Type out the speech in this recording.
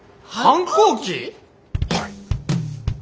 はい。